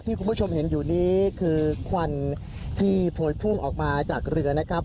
คุณผู้ชมเห็นอยู่นี้คือควันที่โพยพุ่งออกมาจากเรือนะครับ